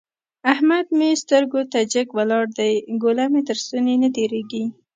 احمد مې سترګو ته جګ ولاړ دی؛ ګوله مې تر ستوني نه تېرېږي.